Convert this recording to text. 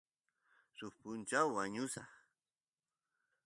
suk punchaw wañusaq